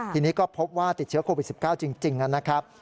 ทีนี้ก็พบว่าติดเชื้อโควิด๑๙จริงนะครับ